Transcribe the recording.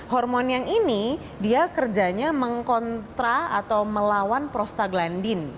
hormon yang ini dia kerjanya mengkontra atau melawan prostaglandin